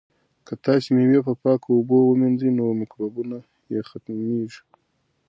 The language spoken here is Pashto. که تاسي مېوې په پاکو اوبو ومینځئ نو مکروبونه یې ختمیږي.